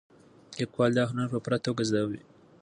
لیکوال دا هنر په پوره توګه زده دی.